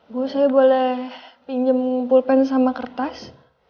bu saya boleh pinjem pulpen sama kertas